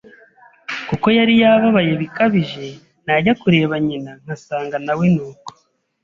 kuko yari yababaye bikabije, najya kureba nyina nkasanga na we nuko,